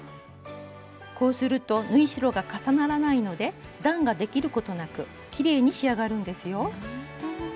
こうすると縫い代が重ならないので段ができることなくきれいに仕上がるんですよ。